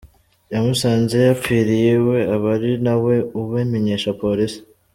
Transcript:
Yamusanze yapfiriye iwe aba ari na we ubimenyesha polisi.